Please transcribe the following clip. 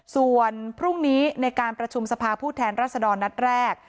ส่วนพรุ่งนี้ในการประชุมสภาผู้แทนรัศดรนัดแรก